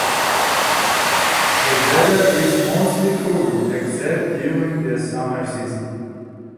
The weather is mostly cool, except during the summer season.